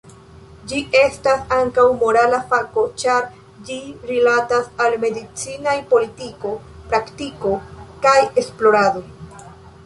Ĝi estas ankaŭ morala fako ĉar ĝi rilatas al medicinaj politiko, praktiko, kaj esplorado.